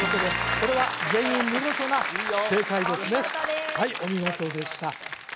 これは全員見事な正解ですねお見事ですはいお見事でした